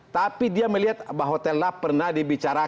tapi dia melihat bahwa telah pernah dibicarakan